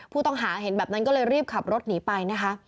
ผู้ต้องหาเห็นแบบนั้นก็เลยรีบขับรถหนีไปนะคะ